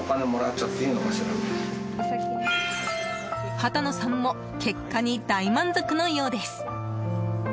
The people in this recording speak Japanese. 畑野さんも結果に大満足のようです。